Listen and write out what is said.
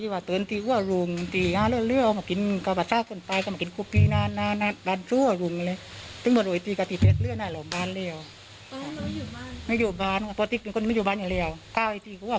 ครอบครัวก็ได้ทำตรวจดละก่อนละค่ะ